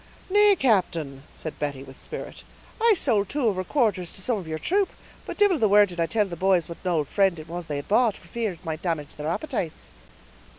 "Nay, captain," said Betty, with spirit, "I sould two of her quarters to some of your troop; but divil the word did I tell the boys what an ould frind it was they had bought, for fear it might damage their appetites."